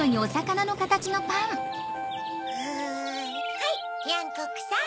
はいニャンコックさん。